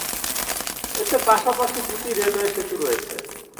এতে পাশাপাশি দুটি রেলওয়ে সেতু রয়েছে।